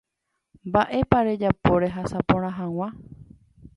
Mba'épa rejapo rehasa porã hag̃ua.